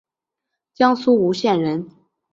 江苏吴县人。